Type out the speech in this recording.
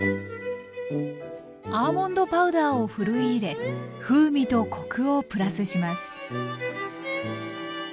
アーモンドパウダーをふるい入れ風味とコクをプラスします。